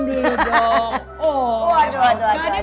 waduh aduh aduh